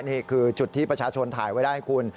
นี่คือจุดที่ประชาชนถ่ายไว้ได้คุณ